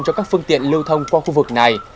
cho các phương tiện lưu thông qua khu vực này